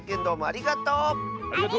ありがとう！